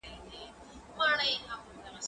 زه اجازه لرم چي سبزیجات وچوم